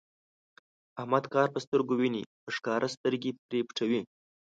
احمد کار په سترګو ویني، په ښکاره سترګې پرې پټوي.